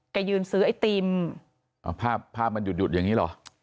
แกยืนซื้อไอติมอ๋อภาพภาพมันหยุดหยุดอย่างนี้เหรอ